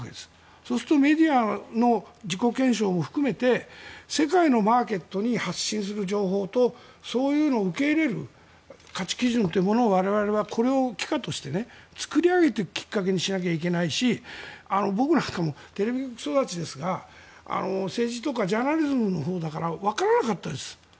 そうするとメディアの自己検証も含めて世界のマーケットに発信する情報とそういうのを受け入れる価値基準というのを我々はこれを奇貨として作り上げていくきっかけにしないといけないし僕なんかもテレビ育ちですが政治とかジャーナリズムのほうですからわからなかったんです。